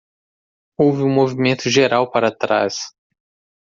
Houve um movimento geral para trás.